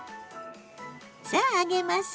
さあ揚げます。